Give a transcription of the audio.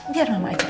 biar mama aja